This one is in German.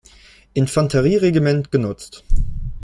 Infanterieregiment genutzt.